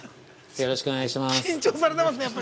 よろしくお願いします。